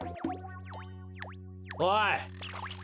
おい。